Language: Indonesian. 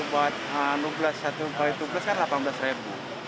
buat tubles kan rp delapan belas